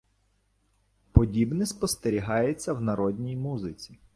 Подібне спостерігається в народній музиці.